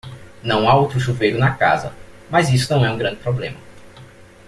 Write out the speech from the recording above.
Não há outro chuveiro na casa, mas isso não é um grande problema.